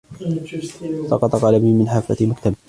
سقط قلمي من حافة مكتبي.